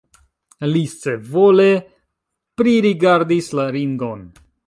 Li scivole pririgardis la ringon.